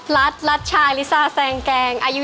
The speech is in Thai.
รัฐรัฐชายลิซ่าแซงแกงอายุ๒๐ค่ะ